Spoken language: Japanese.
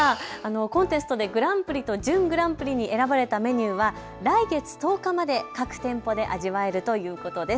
コンテストでグランプリと準グランプリに選ばれたメニューは来月１０日まで各店舗で味わえるということです。